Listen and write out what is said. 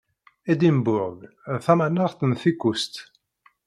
Edimburg d tamaneɣt n Tikust.